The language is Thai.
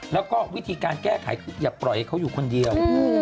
แล้วก็วิธีการแก้ไขอย่าไปอยู่คนเดียว